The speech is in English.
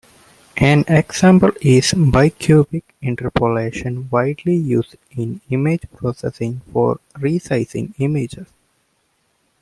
An example is bicubic interpolation, widely used in image processing for resizing images.